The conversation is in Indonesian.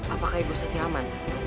apakah ibu setia aman